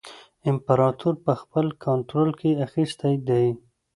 امپراطور په خپل کنټرول کې اخیستی دی.